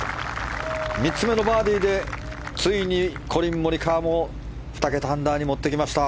３つ目のバーディーでついにコリン・モリカワも２桁アンダーに持ってきました。